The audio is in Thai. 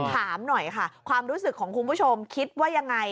ถามหน่อยค่ะความรู้สึกของคุณผู้ชมคิดว่ายังไง